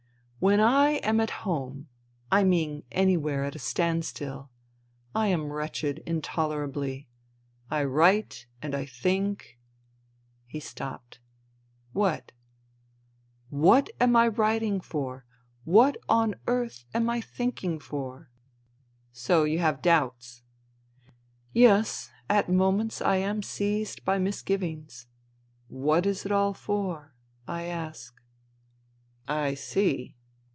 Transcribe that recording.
" When I am at home — I mean anywhere at a standstill— I am wretched intolerably. I write and I think " He stopped. " What ?"" What am I writing for : what on earth am I thinking for ?"" So you have doubts ?"" Yes, at moments I am seized by misgivings : what is it all for ? I ask." '' I see."